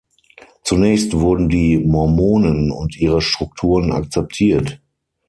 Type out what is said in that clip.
Zunächst wurden die Mormonen und ihre Strukturen akzeptiert.